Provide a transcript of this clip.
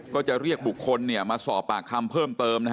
ก็จะเรียกบุคคลมาสอบปากคำเพิ่มเติม